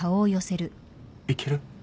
行ける？